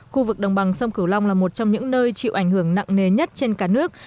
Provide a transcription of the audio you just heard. khu vực đồng bằng sông cửu long là một trong những nơi chịu ảnh hưởng nặng nề nhất trên cả nước